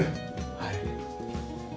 はい。